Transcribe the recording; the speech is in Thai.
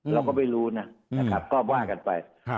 เราก็ไม่รู้นะนะครับก็ว่ากันไป